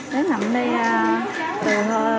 nó nằm đây từ